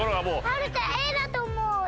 はるちゃんＡだと思うＡ。